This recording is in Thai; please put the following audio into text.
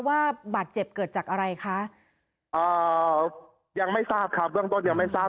ว่าบาดเจ็บเกิดจากอะไรคะอ่ายังไม่ทราบครับเบื้องต้นยังไม่ทราบ